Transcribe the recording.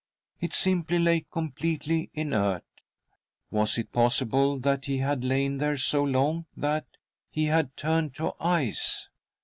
It simply lay completely inert ! Was it possible that he had lain there so long that, he had turned to ice